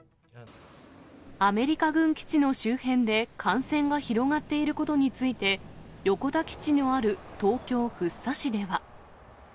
アメリカ軍基地の周辺で感染が広がっていることについて、横田基地のある東京・福生市では。